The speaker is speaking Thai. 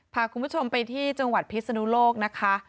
พาคุณผู้ชมไปที่จังหวัดพิศนุโลกนะคะ